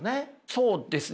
そうですね。